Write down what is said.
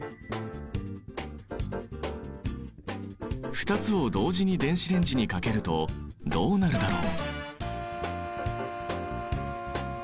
２つを同時に電子レンジにかけるとどうなるだろう？